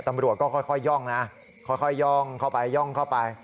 ตำรวจก็ค่อยย่องนะค่อยย่องเข้าไปย่องเข้าไป